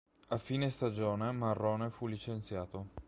A fine stagione Marrone fu licenziato.